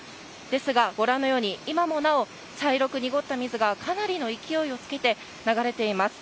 ですが、ご覧のように今もなお茶色く濁った水がかなりの勢いをつけて流れています。